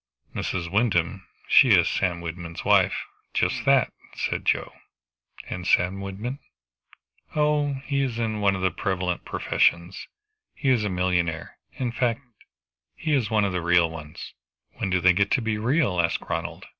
"Mrs. Wyndham she is Sam Wyndham's wife. Just that," said Joe. "And Sam Wyndham?" "Oh he is one of the prevalent profession. He is a millionaire. In fact he is one of the real ones." "When do they get to be real?" asked Ronald.